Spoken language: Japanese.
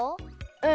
うん。